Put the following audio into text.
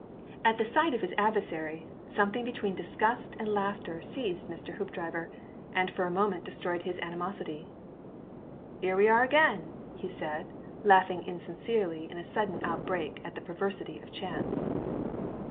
At the sight of his adversary, something between disgust and laughter seized Mr. Hoopdriver and for a moment destroyed his animosity. "'Ere we are again!" he said, laughing insincerely in a sudden outbreak at the perversity of chance.